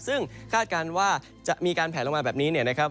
ซึ่งคาดการณ์ว่าจะมีการแผลลงมาแบบนี้เนี่ยนะครับ